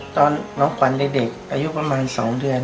ตอนน้องกวันใดอายุประมาณสองเดือน